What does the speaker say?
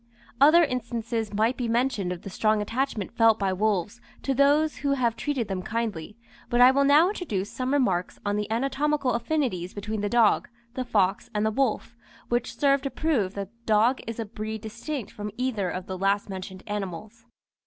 Other instances might be mentioned of the strong attachment felt by wolves to those who have treated them kindly, but I will now introduce some remarks on the anatomical affinities between the dog, the fox, and the wolf, which serve to prove that the dog is of a breed distinct from either of the last mentioned animals.